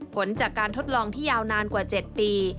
ผลจากการทดลองที่ยาวนานกว่า๗ปี